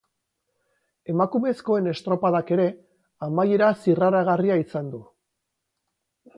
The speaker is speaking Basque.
Emakumezkoen estropadak ere amaiera zirraragarria izan du.